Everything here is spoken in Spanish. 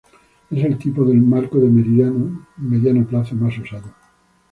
Es el tipo de Marco de Mediano Plazo más usado.